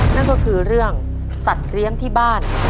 นั่นก็คือเรื่องสัตว์เลี้ยงที่บ้าน